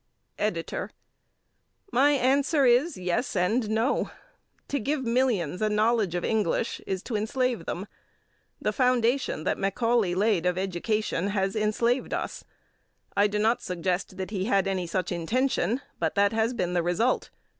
EDITOR: My answer is yes and no. To give millions a knowledge of English is to enslave them. The foundation that Macaulay laid of education has enslaved us. I do not suggest that he had any such intention, but that has been the result.